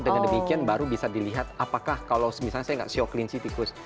dengan demikian baru bisa dilihat apakah kalau misalnya saya nggak show kelinci tikus